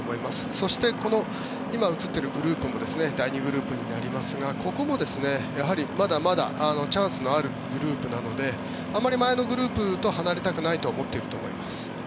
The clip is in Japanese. そして、この今映っているグループも第２グループになりますがやはり、ここもまだまだチャンスのあるグループなのであまり前のグループと離れたくないとは思っていると思います。